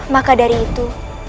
maka dari itu